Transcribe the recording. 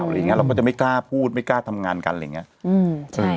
อะไรอย่างเงี้ยเราก็จะไม่กล้าพูดไม่กล้าทำงานกันอะไรอย่างเงี้ย